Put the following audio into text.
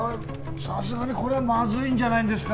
さすがにこれはまずいんじゃないんですか